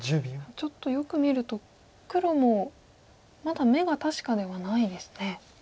ちょっとよく見ると黒もまだ眼が確かではないですね。